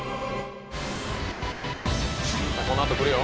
このあと来るよ。